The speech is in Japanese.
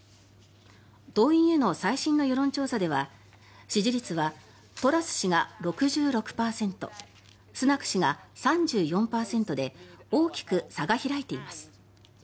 党員への最新の世論調査では支持率はトラス氏が６６％スナク氏が３４％で大きく差が開いています。